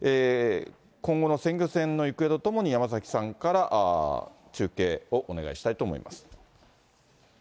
今後の選挙戦の行方とともに、山崎さんから、中継をお願いしたいと思います。